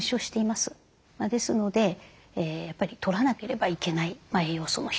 ですのでやっぱりとらなければいけない栄養素の一つということになります。